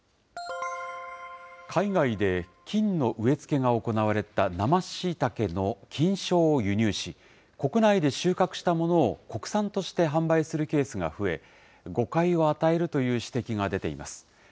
海外で菌の植え付けが行われた生しいたけの菌床を輸入し、国内で収穫したものを国産として販売するケースが増え、誤解を与えるという指摘が出ています。